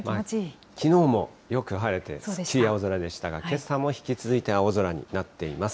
きのうもよく晴れて、すっきり青空でしたが、けさも引き続いて青空になっています。